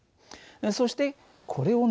そしてこれをね